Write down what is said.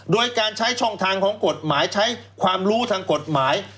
โดยการใช้ช่องทางของกฎหมายใช้ความรู้ทางกฎหมาย